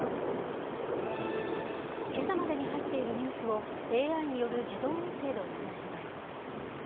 けさまでに入っているニュースを、ＡＩによる自動音声でお伝えします。